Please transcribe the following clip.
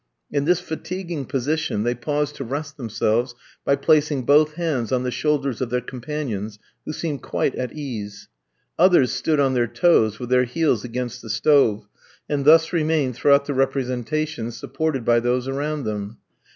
In this fatiguing position they paused to rest themselves by placing both hands on the shoulders of their companions, who seemed quite at ease. Others stood on their toes, with their heels against the stove, and thus remained throughout the representation, supported by those around them.